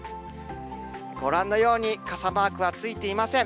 ご覧のように、傘マークはついていません。